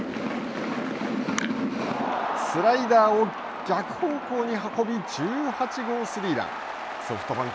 スライダーを逆方向に運び１８号スリーラン。